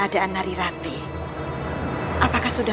jadi kami muda